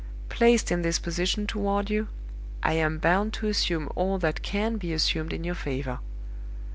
Placed in this position toward you, I am bound to assume all that can be assumed in your favor.